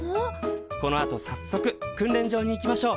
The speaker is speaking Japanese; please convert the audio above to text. このあとさっそく訓練場に行きましょう。